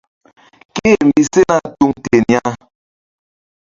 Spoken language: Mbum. Ké-e mbi sena tuŋ ten ya.